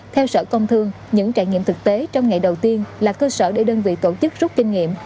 theo sở công thương những trải nghiệm thực tế trong ngày đầu tiên là cơ sở để đơn vị tổ chức rút kinh nghiệm